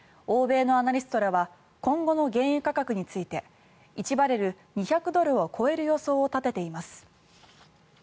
欧米のアナリストらは今後の原油価格について１バレル２００ドルを超える予想を立てています。